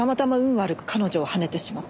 悪く彼女をはねてしまった。